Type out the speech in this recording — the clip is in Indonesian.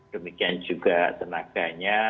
demikian juga tenaganya